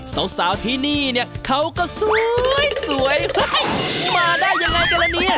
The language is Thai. สาวสาวที่นี่เขาก็สวยมาได้ยังไงกันนี้